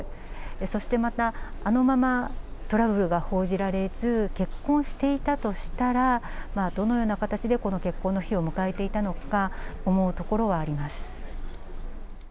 そしてまた、あのままトラブルが報じられず結婚されていたとしたら、どのような形でこの結婚の日を迎えていたのか、思うところはあります。